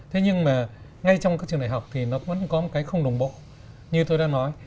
thế nhưng mà ngay trong các trường đại học thì nó vẫn có một cái không đồng bộ như tôi đã nói